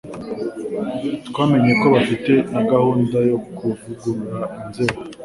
twamenye ko bafite na gahunda yo kuvugurura inzego